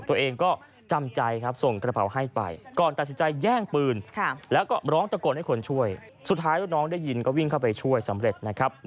ตัวเองก็จำใจครับส่งกระเป๋าให้ไป